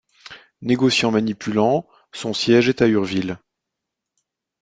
Négociant manipulant, son siège est à Urville.